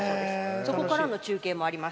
そこからの中継もあります。